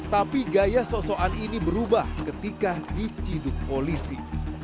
tapi gaya sosokan ini berubah ketika diciduk polisi